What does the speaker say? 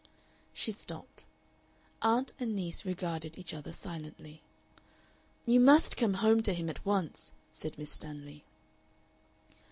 She stopped. Aunt and niece regarded each other silently. "You must come home to him at once," said Miss Stanley.